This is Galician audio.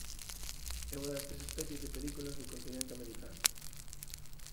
É unha das tres especies de pelicanos do continente americano.